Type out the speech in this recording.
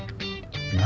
何？